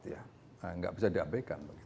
tidak bisa diabaikan